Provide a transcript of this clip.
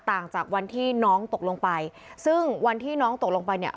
ต่างจากวันที่น้องตกลงไปซึ่งวันที่น้องตกลงไปเนี่ย